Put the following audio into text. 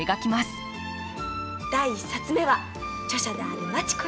第１冊目は著者であるマチ子に。